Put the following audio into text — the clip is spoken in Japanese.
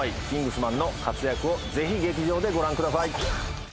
キングスマンの活躍をぜひ劇場でご覧ください。